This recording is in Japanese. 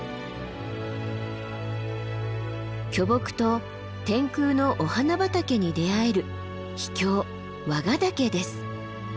巨木と天空のお花畑に出会える秘境和賀岳です。